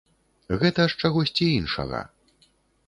Гэта з чагосьці іншага!